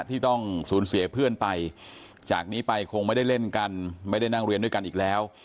ที่ต้องสูญเสียเพื่อนไปจากนี้ไปคงไม่ได้เล่นกันไม่ได้นั่งเรียนด้วยกันอีกแล้ว